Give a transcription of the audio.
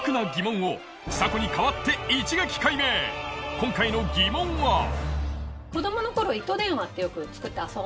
今回の疑問は今。